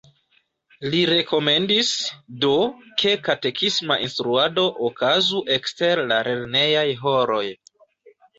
Li rekomendis, do, ke katekisma instruado okazu ekster la lernejaj horoj.